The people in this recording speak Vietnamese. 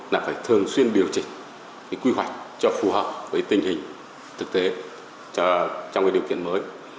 là phải thường xuyên điều chỉnh quy hoạch cho phù hợp với tình hình thực tế trong cái điều kiện mới